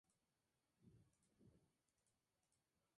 Surge inesperadamente entre ellos una amistad rodeada de poesía.